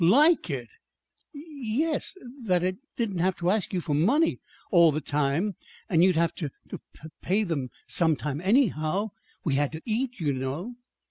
"Like it!" "Y yes that I didn't have to ask you for money all the time. And you'd have to p pay 'em some time, anyhow. We had to eat, you know."